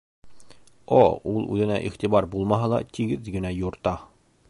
О ул үҙенә иғтибар булмаһа ла тигеҙ генә юрта.